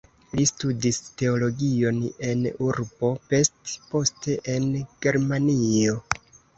Li studis teologion en urbo Pest, poste en Germanio.